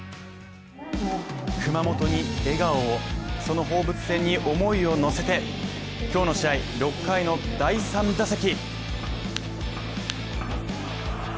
熊本に笑顔を、その放物線に思いを乗せて今日の試合、６回の第３打席。